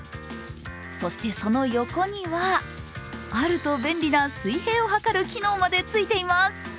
そして、その横にはあると便利は水平をはかる機能までついています。